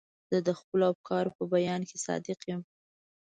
زه د خپلو افکارو په بیان کې صادق یم.